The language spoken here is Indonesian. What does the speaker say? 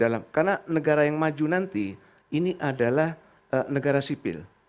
karena negara yang maju nanti ini adalah negara sipil